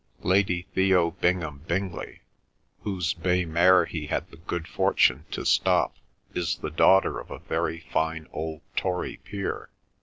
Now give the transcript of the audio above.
Lady Theo Bingham Bingley, whose bay mare he had the good fortune to stop, is the daughter of a very fine old Tory peer.